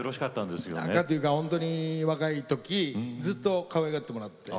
仲というか本当に若い時ずっとかわいがってもらって。